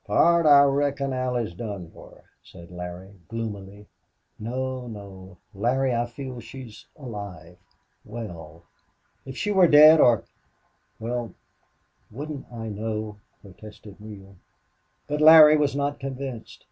"Pard, I reckon Allie's done for," said Larry, gloomily. "No no! Larry, I feel she's alive well. If she were dead or or well, wouldn't I know?" protested Neale. But Larry was not convinced.